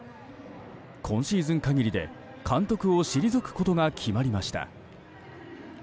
今シーズン限りで監督を退くことが決まりました。